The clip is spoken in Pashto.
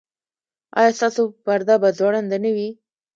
ایا ستاسو پرده به ځوړنده نه وي؟